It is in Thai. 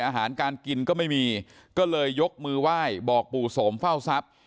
อาหารการกินก็ไม่มีก็เลยยกมือไหว้บอกปู่โสมเฝ้าทรัพย์